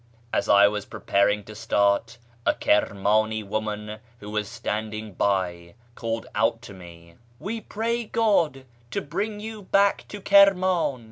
As I was preparing to start, a Kirm; ini woman who was standing by called out to me, "We pray God to bring you back to Kirman."